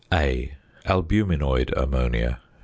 A. _Albuminoid Ammonia.